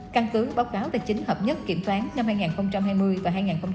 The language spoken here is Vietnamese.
căn cứ báo cáo tài chính hợp nhất kiểm toán năm hai nghìn hai mươi và hai nghìn hai mươi một